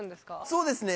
そうですね